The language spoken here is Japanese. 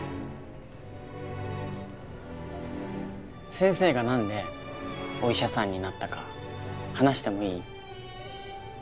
先生がなんでお医者さんになったか話してもいい？